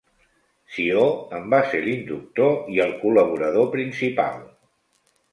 Sió en va ser l'inductor i el col·laborador principal.